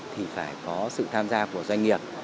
thì phải có sự tham gia của doanh nghiệp